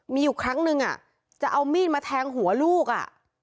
มีอยู่ครั้งนึงจะเอามีดมาแทงหัวลูกอ่ะ